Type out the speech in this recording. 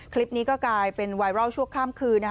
คลิปนี้ก็กลายเป็นไวรัลชั่วข้ามคืน